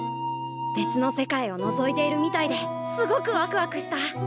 別の世界をのぞいているみたいですごくワクワクした。